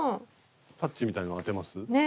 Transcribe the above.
パッチみたいなの当てます？ね！